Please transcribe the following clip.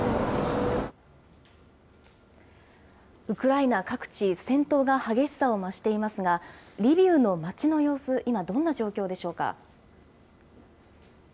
ウクライナ各地、戦闘が激しさを増していますが、リビウの町の様子、今、どんな状況でしょうか。